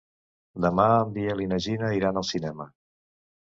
Demà en Biel i na Gina iran al cinema.